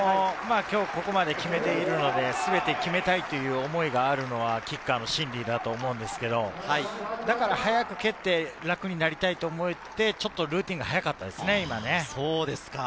今日ここまで決めてるので、全て決めたいという思いがあるのはキッカーの心理だと思うんですけれど、だから早く蹴って楽になりたいと思って、ちょっとルーティンが速かったですね、今。